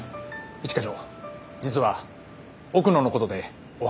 一課長実は奥野の事でお話ししたい事が。